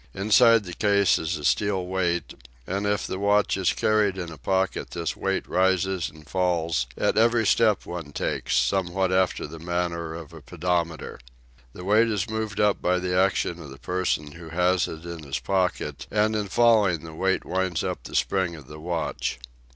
Inside the case is a steel weight, and if the watch is carried in a pocket this weight rises and falls at every step one takes, somewhat after the manner of a pedometer. The weight is moved up by the action of the person who has it in his pocket, and in falling the weight winds up the spring of the watch.